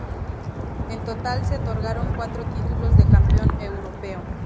En total se otorgaron cuatro títulos de campeón europeo.